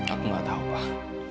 aku nggak tahu pak